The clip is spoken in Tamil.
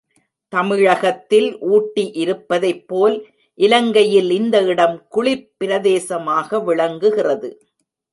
தமிழகத்தில் ஊட்டி இருப்பதைப் போல் இலங்கையில் இந்த இடம் குளிர்பபிரதேசமாக விளங்குகிறது.